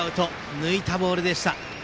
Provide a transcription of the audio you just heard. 抜いたボールでした。